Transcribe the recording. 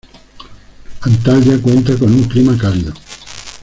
Antalya cuenta con un clima cálido.